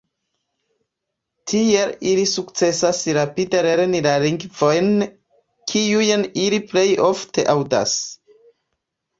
Tiel ili sukcesas rapide lerni la lingvojn, kiujn ili plej ofte aŭdas.